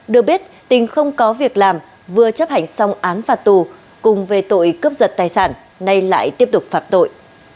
được biết tình không có việc làm vừa chấp hành xong án phạt tù cùng về tội cướp giật tài sản nay lại tiếp tục phạm tội